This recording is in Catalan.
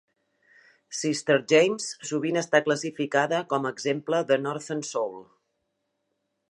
"Sister James" sovint està classificada com a exemple de Northern Soul.